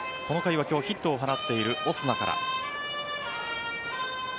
この回は今日ヒットを放っているオスナから。